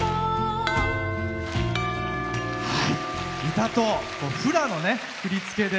歌とフラの振り付けで。